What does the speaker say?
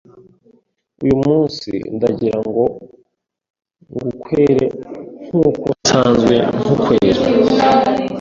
Uyu munsi ndagira ngo ngukwere nk’uko nsanzwe ngukwera